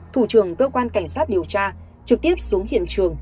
thủ trưởng cơ quan cảnh sát điều tra trực tiếp xuống hiện trường